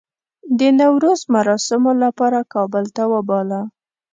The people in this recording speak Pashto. د نوروز مراسمو لپاره کابل ته وباله.